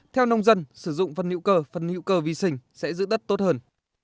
theo nông dân sử dụng phân hữu cơ phân hữu cơ vi sinh sẽ giữ đất tốt hơn